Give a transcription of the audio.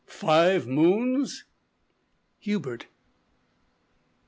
_ "Five moons?" _Hubert.